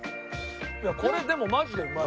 いやこれでもマジでうまい。